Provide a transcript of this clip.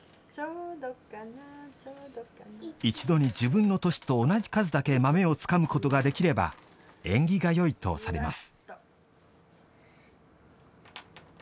一度に自分の年と同じ数だけ豆をつかむ事ができれば縁起がよいとされます。